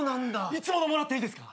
いつものもらっていいですか？